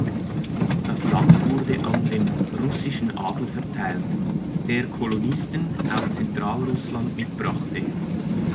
Das Land wurde an den russischen Adel verteilt, der Kolonisten aus Zentralrussland mitbrachte.